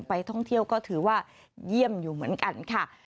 ไปท่องเที่ยวก็ถือว่าเยี่ยมอยู่เหมือนกันค่ะ